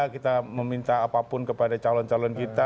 kita meminta apapun kepada calon calon kita